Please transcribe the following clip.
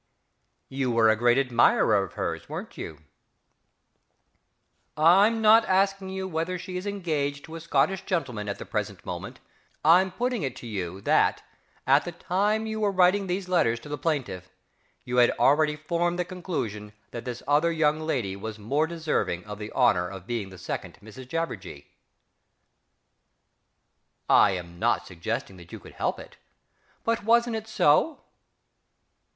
You were a great admirer of hers, weren't you?... I'm not asking you whether she is engaged to a Scotch gentleman at the present moment I'm putting it to you that, at the time you were writing these letters to the plaintiff, you had already formed the conclusion that this other young lady was more deserving of the honour of being the second Mrs JABBERJEE.... I am not suggesting that you could help it but wasn't it so?...